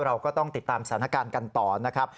เราก็ต้องติดตามสถานการณ์กันต่อนะครับ